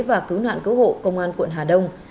và cứu nạn cứu hộ công an quận hà đông